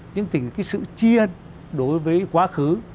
những tình sự chiên đối với quá khứ